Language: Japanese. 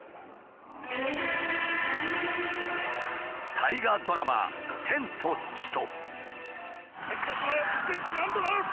大河ドラマ「天と地と」。